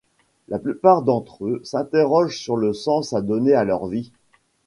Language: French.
La plupart d'entre eux s'interrogent sur le sens à donner à leur vie.